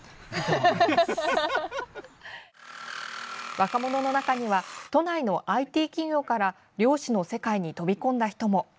若者の中には都内のＩＴ企業から猟師の世界に飛び込んだ人も。